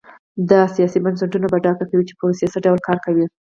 دا سیاسي بنسټونه په ډاګه کوي چې پروسې څه ډول کار کوي.